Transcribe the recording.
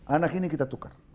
anak ini kita tukar